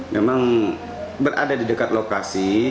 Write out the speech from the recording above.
memang berada di dekat lokasi